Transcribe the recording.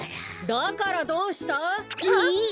だからどうした？あっ！え？